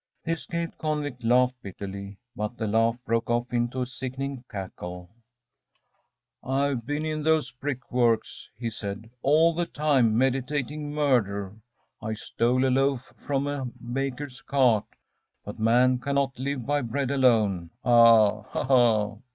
The escaped convict laughed bitterly, but the laugh broke off into a sickening cackle. “I've been in those brickworks,‚ÄĚ he said, “all the time, meditating murder. I stole a loaf from a baker's cart; but man cannot live by bread alone; ah! Ha! ha!